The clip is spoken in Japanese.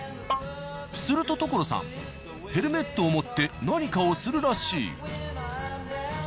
すると所さんヘルメットを持って何かをするらしい。